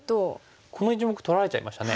この１目取られちゃいましたね。